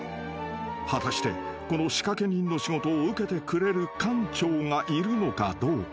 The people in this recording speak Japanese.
［果たしてこの仕掛け人の仕事を受けてくれる館長がいるのかどうか？］